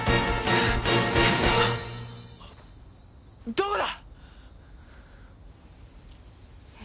どこだ！？